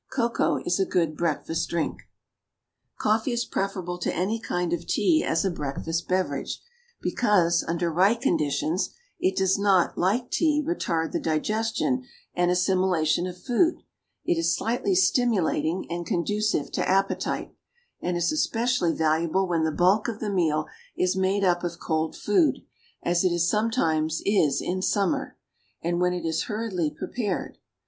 Cocoa is a good breakfast drink. Coffee is preferable to any kind of tea as a breakfast beverage, because, under right conditions, it does not, like tea, retard the digestion and assimilation of food; it is slightly stimulating and conducive to appetite, and is especially valuable when the bulk of the meal is made up of cold food, as it sometimes is in summer, and when it is hurriedly prepared.